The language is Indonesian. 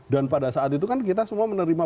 dan pada saat itu kan kita semua menerima